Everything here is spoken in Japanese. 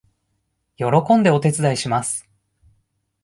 喜んでお手伝いします